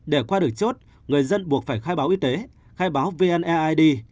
để qua được chốt người dân buộc phải khai báo y tế khai báo vneid